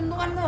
ada apakin loh